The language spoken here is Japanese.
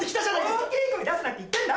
大きい声出すなって言ってんだ！